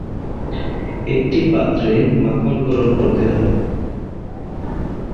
একটি পাত্রে মাখন গরম করতে হবে।